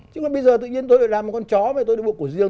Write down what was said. chứ còn bây giờ tôi làm một con chó mà tôi được bộ của riêng